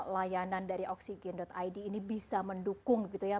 layanan dari oksigen id ini bisa mendukung gitu ya